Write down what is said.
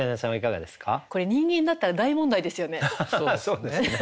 そうですね。